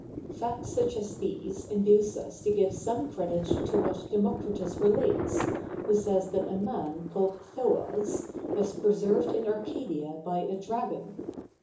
_] Facts such as these induce us to give some credit to what Democritus relates, who says that a man, called Thoas, was preserved in Arcadia by a dragon.